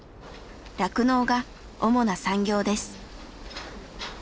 酪農が主な産業です。